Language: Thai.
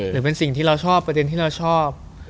หรือเป็นสิ่งที่เราชอบประเด็นที่เราชอบ